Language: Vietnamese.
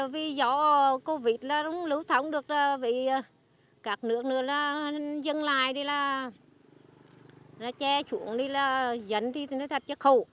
vì do covid một mươi chín lưu thống được các nước dân lại trẻ xuống dân thì thật khổ